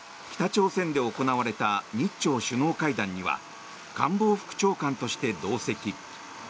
朝鮮で行われた日朝首脳会談には官房副長官として同席。